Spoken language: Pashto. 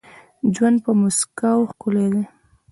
ژوند په مسکاوو ښکلی دي.